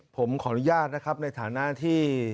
ผมขออนุญาตนะครับในฐานะที่